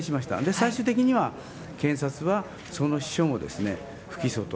最終的には、検察はその秘書も不起訴と。